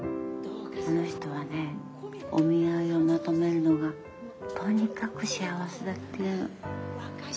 あの人はねお見合いをまとめるのがとにかく幸せだっていうの。